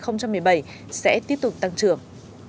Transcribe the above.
năm hai nghìn một mươi bảy sẽ tiếp tục tăng trưởng